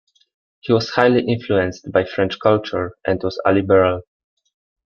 He was highly influenced by French culture and was a liberal.